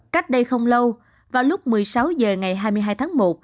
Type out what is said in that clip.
cách đây không lâu vào lúc một mươi sáu h ngày hai mươi hai tháng một